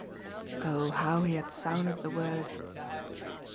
Oh how he had sounded the word!